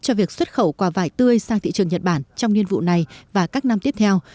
cho việc xuất khẩu quả vải tươi sang thị trường nhật bản trong niên vụ này và các năm tiếp theo